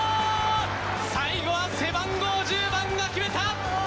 最後は背番号１０番が決めた！